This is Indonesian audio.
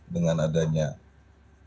dengan adanya pantai